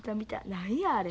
何やあれ。